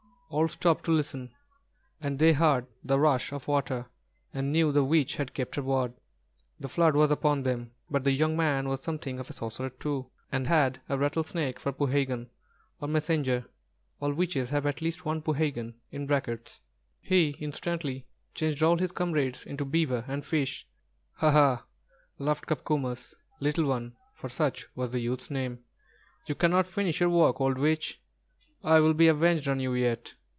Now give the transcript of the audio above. All stopped to listen, and they heard the rush of water, and knew the witch had kept her word, the flood was upon them. But the young man was something of a sorcerer too, and had a rattlesnake for poohegan, or messenger (all witches have at least one poohegan). He instantly changed all his comrades into beaver and fish. "Ha! ha!" laughed "Copcomus," Little One, for such was the youth's name. "You cannot finish your work, old witch. I will be avenged on you yet.